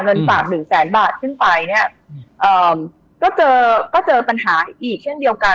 เงินฝากหนึ่งแสนบาทขึ้นไปก็เจอปัญหาอีกเช่นเดียวกัน